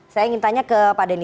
saya ingin tanya ke pak denn